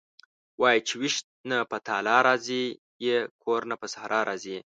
وايي چې وېش نه په تالا راضي یې کور نه په صحرا راضي یې..